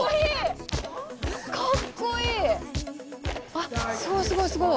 あすごいすごいすごい！